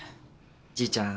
じいちゃん